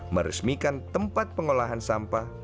meresmikan tempat pengolahan sampah